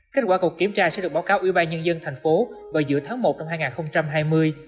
kết quả cuộc kiểm tra sẽ được báo cáo ubnd tp vào giữa tháng một năm hai nghìn hai mươi